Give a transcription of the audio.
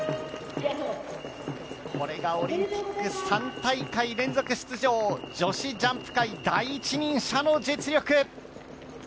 これがオリンピック３大会連続出場女子ジャンプ界、第一人者の実力。